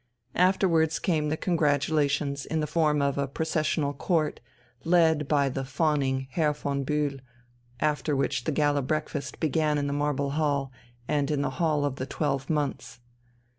Afterwards came the congratulations in the form of a processional Court, led by the fawning Herr von Bühl, after which the gala breakfast began in the Marble Hall and in the hall of the Twelve Months.